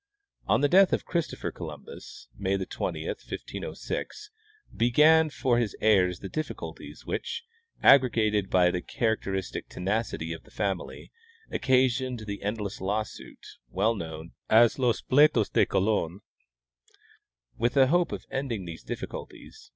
On the death of Christopher Columbus (May 20, 1506) began for his heirs the difliculties which, aggregated by the character istic tenacity of the family, occasioned the endless lawsuit, well known as Los Pleitos de Colon. AVith a hope of ending these difficulties.